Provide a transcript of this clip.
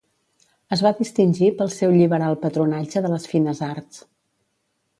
Es va distingir pel seu lliberal patronatge de les fines arts.